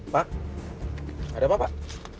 pak ada apa pak